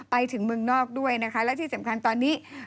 ไปถึงเมืองนอกด้วยนะคะและที่สำคัญตอนนี้